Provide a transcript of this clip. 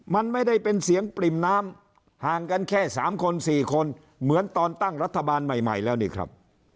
มันไม่ได้เป็นเสียงปริ่มน้ำห่างกันแค่๓คน๔คนเหมือนตอนตั้งรัฐบาลใหม่แล้วนี่ครับ